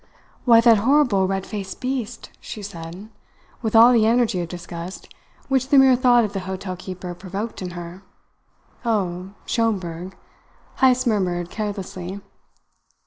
"Why, that horrible red faced beast," she said, with all the energy of disgust which the mere thought of the hotel keeper provoked in her. "Oh, Schomberg!" Heyst murmured carelessly.